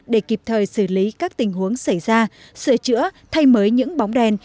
để kịp thời xử lý các tình huống xảy ra sửa chữa thay mới những bóng đèn